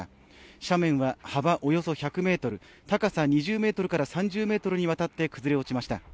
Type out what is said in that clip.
斜面は幅およそ１００ｍ、高さ２０ｍから３０ｍにわたって崩れ落ちました。